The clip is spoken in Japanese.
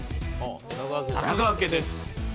中川家です。